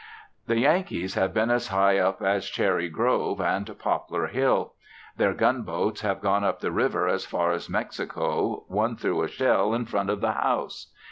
The Yankees have been as high up as Cherry Grove and Poplar Hill; their gun boats have gone up the river as far as Mexico, one threw a shell in front of the house.